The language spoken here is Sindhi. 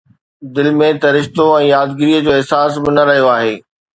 دل ۾ ته رشتو ۽ يادگيريءَ جو احساس به نه رهيو آهي